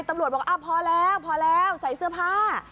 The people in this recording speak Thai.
ตำรวจบอกพอแล้วพอแล้วใส่เสื้อผ้า